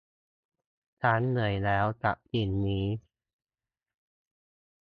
ฉันเหนื่อยแล้วกับสิ่งนี้